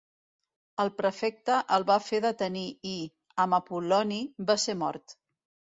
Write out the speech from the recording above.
El prefecte el va fer detenir i, amb Apol·loni, va ser mort.